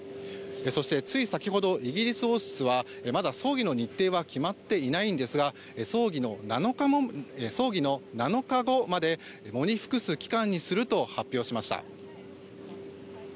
そしてつい先ほどイギリス王室はまだ葬儀の日程は決まっていないんですが葬儀の７日後まで喪に服す期間にすると発表しました。